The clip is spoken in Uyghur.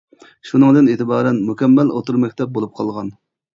شۇنىڭدىن ئېتىبارەن مۇكەممەل ئوتتۇرا مەكتەپ بولۇپ قالغان.